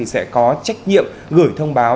sẽ có trách nhiệm gửi thông báo